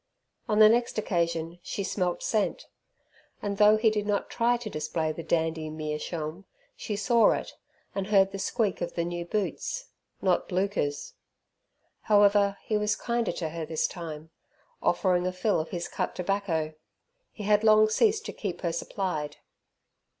On the next occasion she smelt scent, and though he did not try to display the dandy meerschaum, she saw it, and heard the squeak of the new boots, not bluchers. However he was kinder to her this time, offering a fill of his cut tobacco; he had long ceased to keep her supplied.